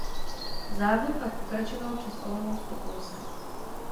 Závod pak pokračoval přes Olomouc do Polska.